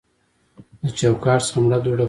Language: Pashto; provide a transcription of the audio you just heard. له چوکاټ څخه مړه دوړه پورته شوه.